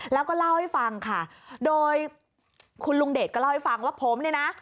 แล้วก็เล่าให้ฟังค่ะโดยคุณลุงเดชก็เล่าให้ฟังว่าผมเนี่ยนะ